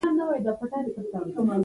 هغه به يې هم په پښو تنګ وو.